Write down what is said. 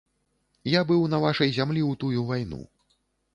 Я быў на вашай зямлі ў тую вайну.